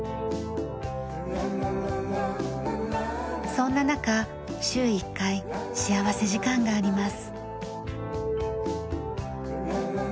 そんな中週１回幸福時間があります。